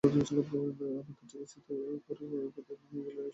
আমাকে ট্যাক্সিতে করে একদিন নিয়ে গেলেন ওয়েস্ট সেভেন্টিথ স্ট্রিটের পাইথিয়ান টেম্পলে।